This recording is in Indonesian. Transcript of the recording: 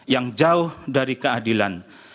yang jauh dari keadilan